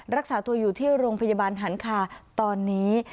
รักษาตัวอยู่ที่โรงพยาบาลหันคาตอนนี้